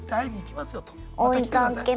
また来てください。